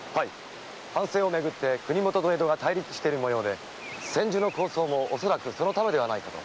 藩政をめぐって国許と江戸が対立しているもようで千住の抗争も恐らくそのためではないかと。